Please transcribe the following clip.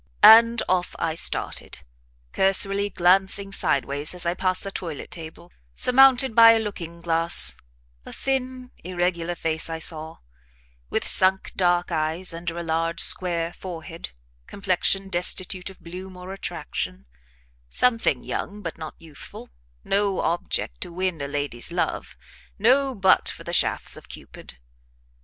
And off I started, cursorily glancing sideways as I passed the toilet table, surmounted by a looking glass: a thin irregular face I saw, with sunk, dark eyes under a large, square forehead, complexion destitute of bloom or attraction; something young, but not youthful, no object to win a lady's love, no butt for the shafts of Cupid.